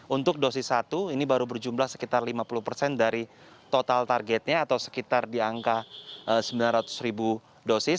untuk dosis satu ini baru berjumlah sekitar lima puluh persen dari total targetnya atau sekitar di angka sembilan ratus ribu dosis